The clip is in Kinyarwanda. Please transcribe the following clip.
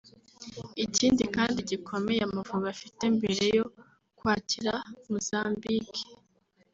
Ikindi kibazo gikomeye Amavubi afite mbere yo kwakira Mozambique